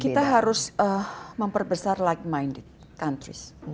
kita harus memperbesar like minded countries